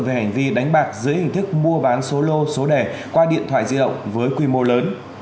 về hành vi đánh bạc dưới hình thức mua bán số lô số đẻ qua điện thoại di động với quy mô lớn